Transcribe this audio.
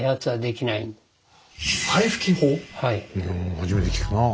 初めて聞くなあ。